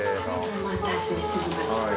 お待たせしました。